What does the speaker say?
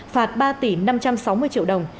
phạt ba tỷ năm trăm sáu mươi triệu đồng